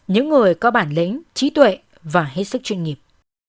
những người có bản lĩnh trí tuệ và hết sức chuyên nghiệp